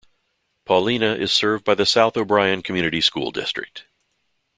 Paullina is served by the South O'Brien Community School District.